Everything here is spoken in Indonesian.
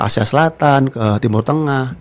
selatan ke timur tengah